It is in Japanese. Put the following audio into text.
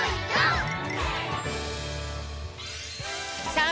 さあ